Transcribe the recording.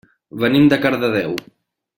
Venim de Cardedeu.